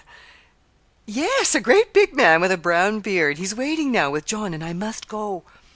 _" "Yes; a great big man with a brown beard. He's waiting now with John and I must go."